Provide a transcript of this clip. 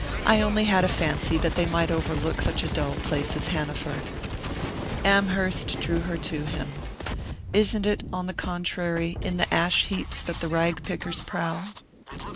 "I only had a fancy that they might overlook such a dull place as Hanaford." Amherst drew her to him. "Isn't it, on the contrary, in the ash heaps that the rag pickers prowl?"